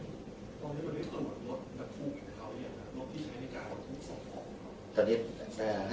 ต้องเรียกว่าในส่วนหมดรถกระทุกข์เขาอย่างไรครับรถที่ใช้นิการรถทุกข์ส่วนของเขา